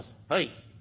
「はい」。